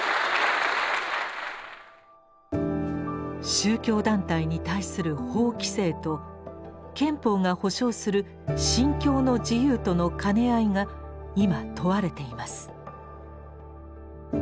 宗教団体に対する法規制と憲法が保障する「信教の自由」との兼ね合いが今問われています。